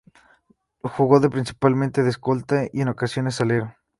Jugó de principalmente de escolta y en ocasiones como alero.